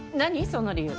その理由。